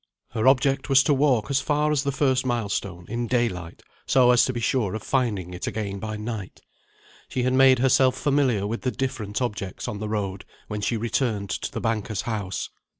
Her object was to walk as far as the first milestone, in daylight, so as to be sure of finding it again by night. She had made herself familiar with the different objects on the road, when she returned to the banker's house.